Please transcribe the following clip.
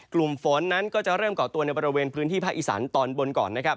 กลุ่มฝนนั้นก็จะเริ่มเกาะตัวในบริเวณพื้นที่ภาคอีสานตอนบนก่อนนะครับ